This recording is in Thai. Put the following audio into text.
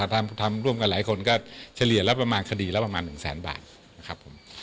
ทำร่วมกันหลายคนก็เฉลี่ยแล้วประมาณคดีละประมาณ๑แสนบาทนะครับผม